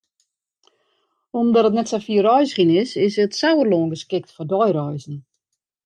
Omdat it net sa fier reizgjen is, is it Sauerlân geskikt foar deireizen.